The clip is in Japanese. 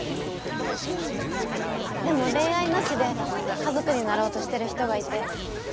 でも恋愛なしで家族になろうとしてる人がいて。